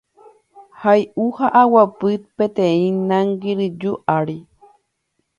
hay'u ha aguapy peteĩ nangiriju ári.